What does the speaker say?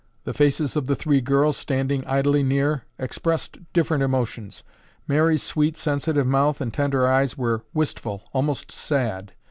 The faces of the three girls, standing idly near, expressed different emotions. Mary's sweet sensitive mouth and tender eyes were wistful, almost sad.